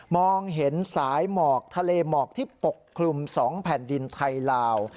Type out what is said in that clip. มองเห็นสายหมอกทะเลหมอกที่ปกคลุม๒แผ่นดินไทยลาว